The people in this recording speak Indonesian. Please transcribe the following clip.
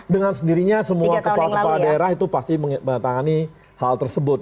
dengan sendirinya semua kepala kepala daerah itu pasti menetangani hal tersebut